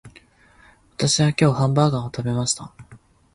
私は今日ハンバーガーを食べました